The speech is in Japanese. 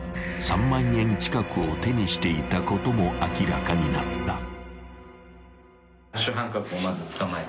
［３万円近くを手にしていたことも明らかになった］